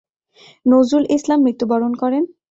নজরুল ইসলাম মৃত্যুবরণ করেন।